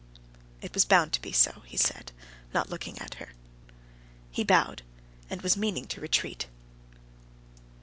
"It was bound to be so," he said, not looking at her. He bowed, and was meaning to retreat.